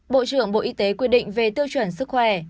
bộ trưởng bộ y tế quy định về tiêu chuẩn sức khỏe